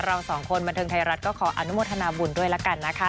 เราสองคนบันเทิงไทยรัฐก็ขออนุโมทนาบุญด้วยละกันนะคะ